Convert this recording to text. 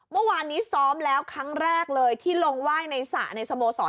เมื่อวานนี้ซ้อมแล้วครั้งแรกเลยที่ลงไหว้ในสระในสโมสร